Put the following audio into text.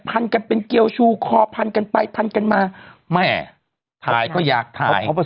พันกันเป็นเกียวชูคอพันกันไปพันกันมาแม่ถ่ายก็อยากถ่าย